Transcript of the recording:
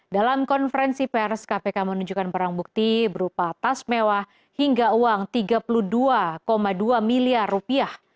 dalam konferensi pers kpk menunjukkan perang bukti berupa tas mewah hingga uang tiga puluh dua dua miliar rupiah